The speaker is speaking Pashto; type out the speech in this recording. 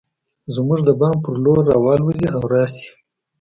زموږ د بام پر لور راوالوزي او راشي